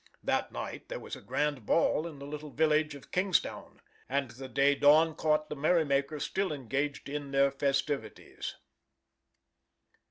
That night there was a grand ball at the little village of Kingstown, and the day dawn caught the merrymakers still engaged in their festivities.